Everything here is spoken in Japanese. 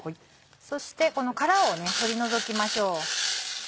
そしてこの殻を取り除きましょう。